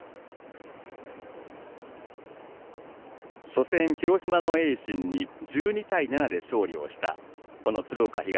初戦、広島の盈進に１２対７で勝利をした鶴岡東。